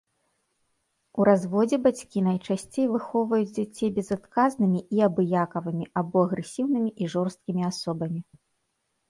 У разводзе бацькі найчасцей выхоўваюць дзяцей безадказнымі і абыякавымі або агрэсіўнымі і жорсткімі асобамі.